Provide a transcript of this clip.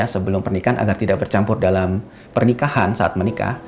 sebelum pernikahan agar tidak bercampur dalam pernikahan saat menikah